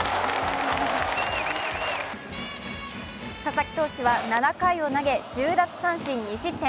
佐々木投手は、７回を投げ１０奪三振２失点。